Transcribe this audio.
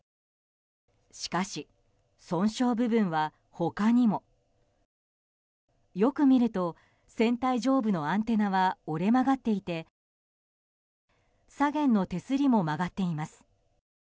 しかし、損傷部分は他にも。よく見ると、船体上部のアンテナは折れ曲がっていて左舷の手すりも曲がっています。